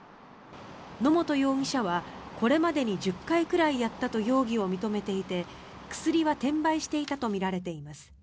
野本容疑者はこれまでに１０回くらいやったと容疑を認めていて薬は転売していたとみられています。